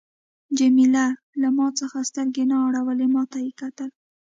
جميله له ما څخه سترګې نه اړولې، ما ته یې کتل.